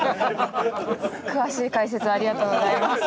詳しい解説ありがとうございます。